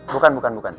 bukan bukan bukan